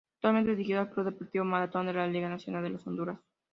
Actualmente dirige al Club Deportivo Marathón de la Liga Nacional de Honduras.